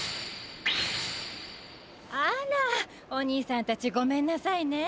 あらおにいさんたちごめんなさいね。